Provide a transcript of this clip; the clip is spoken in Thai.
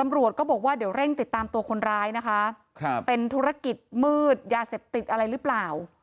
ตำรวจก็บอกว่าเดี๋ยวเร่งติดตามตัวคนร้ายนะคะเป็นธุรกิจมืดยาเสพติดอะไรหรือเปล่า